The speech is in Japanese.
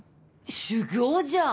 修行じゃん！